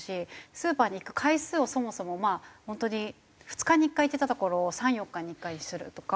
スーパーに行く回数をそもそもまあホントに２日に１回行ってたところを３４日に１回にするとか。